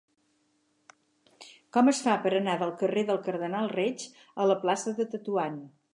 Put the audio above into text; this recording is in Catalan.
Com es fa per anar del carrer del Cardenal Reig a la plaça de Tetuan?